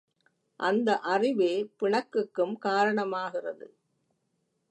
அந்த அறிவே பிணக்குக்கும் காரணமாகிறது.